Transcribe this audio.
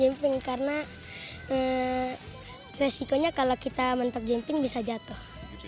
jumping karena resikonya kalau kita mentok jumping bisa jatuh